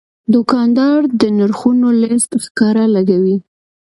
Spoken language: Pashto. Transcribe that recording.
دوکاندار د نرخونو لیست ښکاره لګوي.